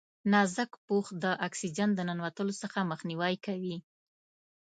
نازک پوښ د اکسیجن د ننوتلو څخه مخنیوی کوي.